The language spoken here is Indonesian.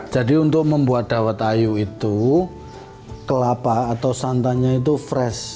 jadi untuk membuat dawat ayu itu kelapa atau santannya itu fresh